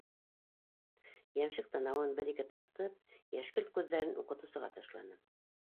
Йәмшек танауын бер-ике тартып, йәшкелт күҙҙәрен уҡытыусыға ташланы.